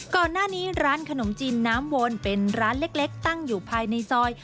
ก่อนหน้านี้ร้านขนมจีนน้ำวนเป็นร้านเล็กตั้งอยู่ภายในซอย